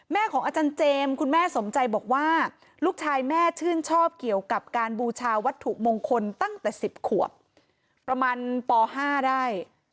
ของอาจารย์เจมส์คุณแม่สมใจบอกว่าลูกชายแม่ชื่นชอบเกี่ยวกับการบูชาวัตถุมงคลตั้งแต่๑๐ขวบประมาณป๕ได้